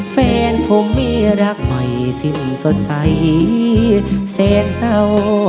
แฟนผมมีรักใหม่สิ้นสดใสแสนเศร้า